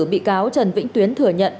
bị cáo trần vĩnh tuyến thừa nhận